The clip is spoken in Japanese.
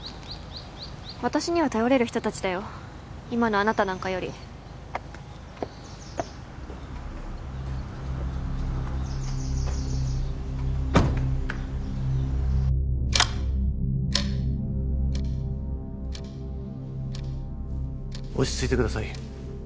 私には頼れる人達だよ今のあなたなんかより落ち着いてください